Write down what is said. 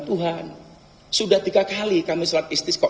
tuhan sudah tiga kali kami sholat istiqo